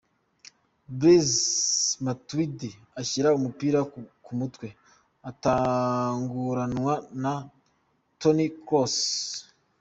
Blaise Matuidi ashyira umupira ku mutwe atanguranwa na Tony Kroos.